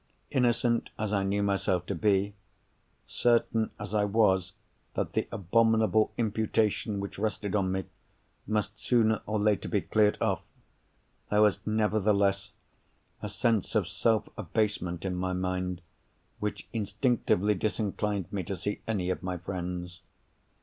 Innocent as I knew myself to be, certain as I was that the abominable imputation which rested on me must sooner or later be cleared off, there was nevertheless a sense of self abasement in my mind which instinctively disinclined me to see any of my friends.